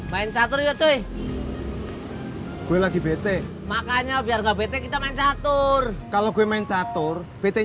main catur yuk gue lagi bete makanya biar nggak bete kita main catur kalau gue main catur bete